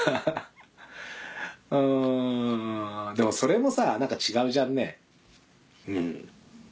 うんでもそれもさ何か違うじゃんね。